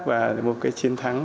và một cái chiến thắng